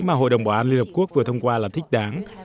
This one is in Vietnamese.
mà hội đồng ba a liên hợp quốc vừa thông qua là thích đáng